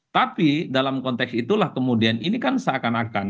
tapi dalam konteks itulah kemudian ini kan seakan akan